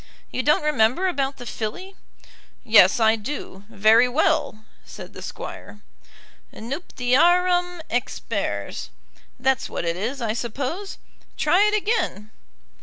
"You don't remember about the filly?" "Yes I do; very well," said the Squire. "'Nuptiarum expers.' That's what it is, I suppose. Try it again."